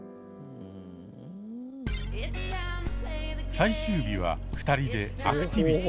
最終日は２人でアクティビティ。